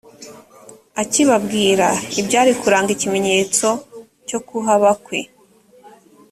akibabwira ibyari kuranga ikimenyetso cyo kuhaba kwe